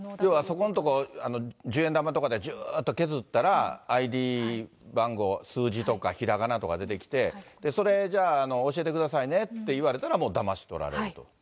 そこのところ、十円玉とかでずっと削ったら、ＩＤ番号、数字とか、ひらがなとか出てきて、それ、じゃあ、教えてくださいねって言われたら、もうだまし取られると。